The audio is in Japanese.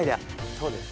そうです。